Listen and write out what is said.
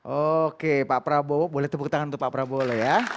oke pak prabowo boleh tepuk tangan untuk pak prabowo loh ya